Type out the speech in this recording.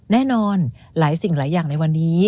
แน่นอนหลายสิ่งหลายอย่างในวันนี้